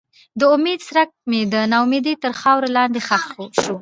د امید څرک مې د ناامیدۍ تر خاورو لاندې ښخ شو.